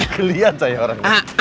kelian saya orangnya